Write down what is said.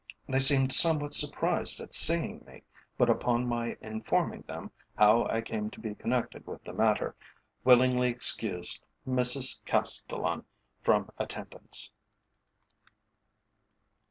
They seemed somewhat surprised at seeing me, but upon my informing them how I came to be connected with the matter, willingly excused Mrs Castellan from attendance.